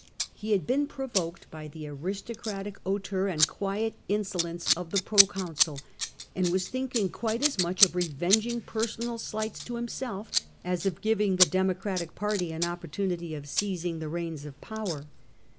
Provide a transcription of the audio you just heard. He had been provoked by the aristocratic hauteur and quiet insolence of the proconsul, and was thinking quite as much of revenging personal slights to himself as of giving the Democratic party an opportunity of semng the reins of power.